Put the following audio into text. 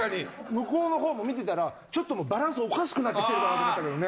向こうのほうも見てたらちょっとバランスおかしくなってきてるかなと思ったけどね。